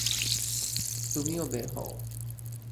তুমিও বের হও।